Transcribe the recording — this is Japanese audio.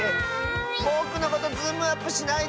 ぼくのことズームアップしないで！